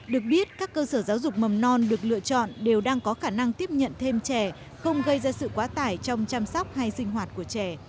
được biết các cơ sở giáo dục mầm non được lựa chọn đều đang có khả năng tiếp nhận thêm trẻ không gây ra sự quá tải trong chăm sóc hay sinh hoạt của trẻ